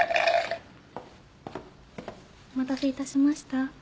お待たせいたしました。